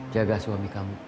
jaga suami kamu